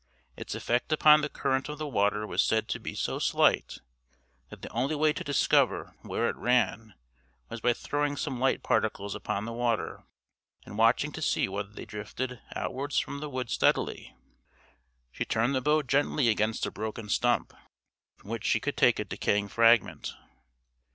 Its effect upon the current of the water was said to be so slight that the only way to discover where it ran was by throwing some light particles upon the water and watching to see whether they drifted outwards from the wood steadily. She turned the boat gently against a broken stump from which she could take a decaying fragment.